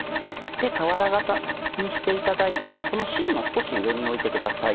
俵形にしていただいてこのしんの少し上に置いてください。